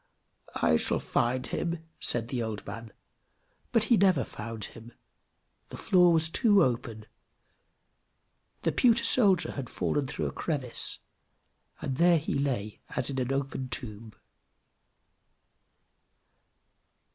"I shall find him!" said the old man; but he never found him. The floor was too open the pewter soldier had fallen through a crevice, and there he lay as in an open tomb.